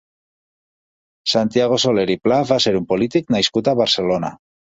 Santiago Soler i Pla va ser un polític nascut a Barcelona.